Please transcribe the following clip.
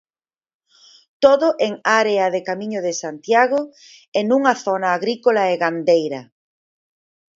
Todo en área de Camiño de Santiago e nunha zona agrícola e gandeira.